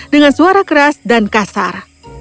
dengan suara keras dan kasar